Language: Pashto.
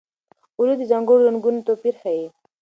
اولو د ځانګړو رنګونو توپیر ښيي.